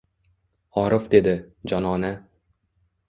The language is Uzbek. Orif dedi, jonona.